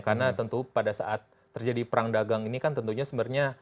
karena tentu pada saat terjadi perang dagang ini kan tentunya sebenarnya